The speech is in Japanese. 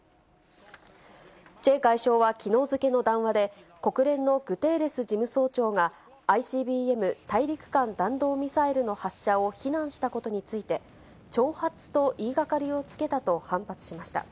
チェ外相はきのう付けの談話で、国連のグテーレス事務総長がＩＣＢＭ・大陸間弾道ミサイルの発射を非難したことについて、挑発と言いがかりをつけたと反発しました。